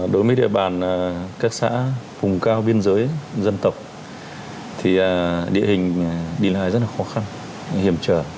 đối với địa bàn các xã vùng cao biên giới dân tộc thì địa hình đi lại rất là khó khăn hiểm trở